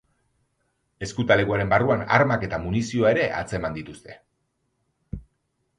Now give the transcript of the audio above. Ezkutalekuaren barruan armak eta munizioa ere atzeman dituzte.